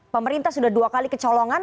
pemerintah sudah dua kali kecolongan